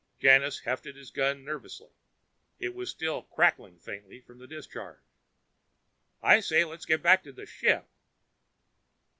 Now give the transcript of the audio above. Janus hefted his gun nervously. It was still crackling faintly from the discharge. "I say let's get back to the ship!"